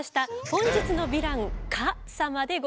本日のヴィラン蚊様でございます。